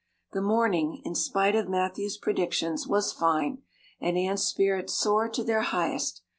The morning, in spite of Matthew's predictions, was fine and Anne's spirits soared to their highest.